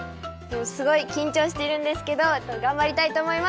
すごい緊張しているんですけど頑張りたいと思います！